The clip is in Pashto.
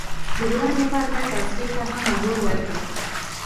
د ګلانو لپاره باید اغزو ته هم اوبه ورکړو.